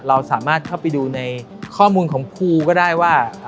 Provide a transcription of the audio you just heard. เราทำสรรพสินค้าก็ได้ว่า